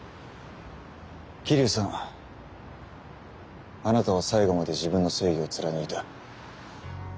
桐生さんあなたは最後まで自分の正義を貫いた。